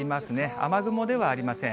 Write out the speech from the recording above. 雨雲ではありません。